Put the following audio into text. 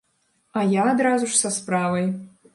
А я адразу ж са справай.